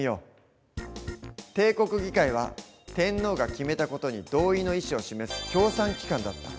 帝国議会は天皇が決めた事に同意の意思を示す協賛機関だった。